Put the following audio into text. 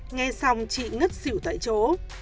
nghe xong chị ngất xỉu tại chỗ